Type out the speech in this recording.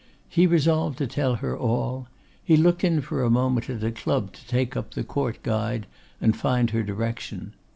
He resolved to tell her all. He looked in for a moment at a club to take up the 'Court Guide' and find her direction.